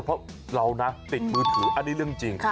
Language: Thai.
เพราะเรานะติดมือถืออันนี้เรื่องจริง